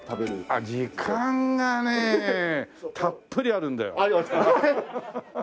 あっ時間がねたっぷりあるんだよ。